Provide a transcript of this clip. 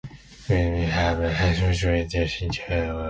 The village has been established during the Interwar.